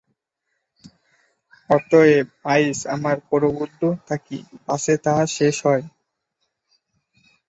অতএব আইস, আমরা প্রবুদ্ধ থাকি, পাছে তাহার শেষ হয়।